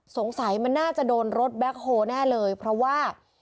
สงสัยมันน่าจะโดนรถแบ็คโฮแน่เลยเพราะว่า